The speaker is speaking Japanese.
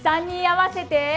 ３人合わせて。